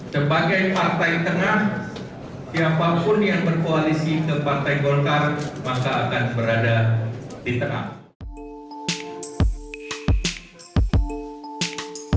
sebagai partai tengah siapapun yang berkoalisi ke partai golkar maka akan berada di tengah